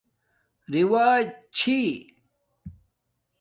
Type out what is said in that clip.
رِوج چھی